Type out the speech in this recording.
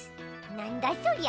なんだそりゃ？